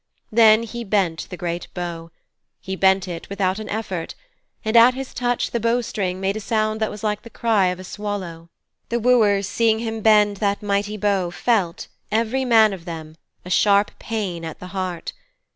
Then he bent the great bow; he bent it without an effort, and at his touch the bow string made a sound that was like the cry of a swallow. The wooers seeing him bend that mighty bow felt, every man of them, a sharp pain at the heart.